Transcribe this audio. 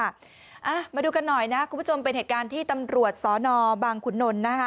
มาดูกันหน่อยนะคุณผู้ชมเป็นเหตุการณ์ที่ตำรวจสอนอบางขุนนลนะคะ